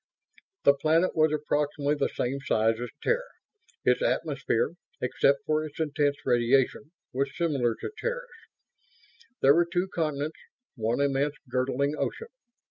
The planet was approximately the same size as Terra; its atmosphere, except for its intense radiation, was similar to Terra's. There were two continents; one immense girdling ocean.